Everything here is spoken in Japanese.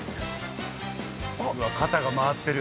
うわっ肩が回ってる。